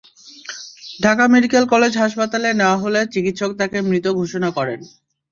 Dhaka medical college হাসপাতালে নেওয়া হলে চিকিৎসক তাঁকে মৃত ঘোষণা করেন।